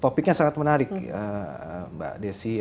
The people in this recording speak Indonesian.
topiknya sangat menarik ya mbak desi